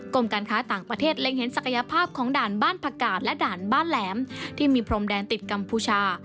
การค้าต่างประเทศเล็งเห็นศักยภาพของด่านบ้านผักกาศและด่านบ้านแหลมที่มีพรมแดนติดกัมพูชา